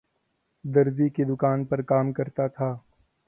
درزی کی دکان پرکام کرتا تھا